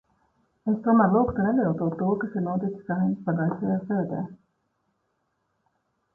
Es tomēr lūgtu neviltot to, kas ir noticis Saeimas pagājušajā sēdē.